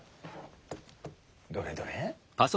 どれどれ。